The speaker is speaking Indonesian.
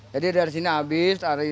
jadi dari sini habis